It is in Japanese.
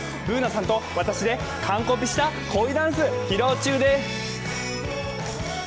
Ｂｏｏｎａさんと私で、完コピした恋ダンス、披露中です。